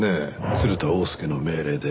鶴田翁助の命令で。